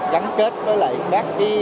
gắn kết với lại các cái văn hóa việt nam